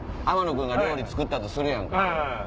天野君が料理作ったとするやんか。